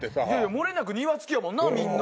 もれなく庭付きやもんなみんな。